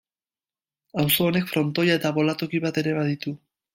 Auzo honek frontoia eta bolatoki bat ere baditu.